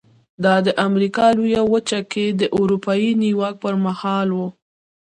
دا د امریکا لویه وچه کې د اروپایي نیواک پر مهال و.